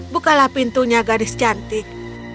bukalah pintunya gadis cantik